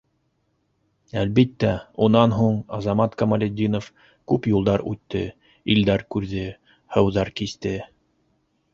Әлбиттә, унан һуң Азамат Камалетдинов күп юлдар үтте, илдәр күрҙе, һыуҙар кисте.